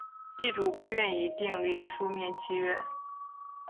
地主不愿意订立书面契约